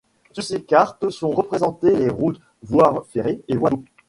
Sur ces cartes sont représentées les routes, voies ferrées et voies d'eaux.